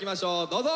どうぞ。